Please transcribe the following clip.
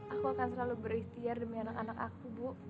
aku akan selalu berikhtiar demi anak anak aku bu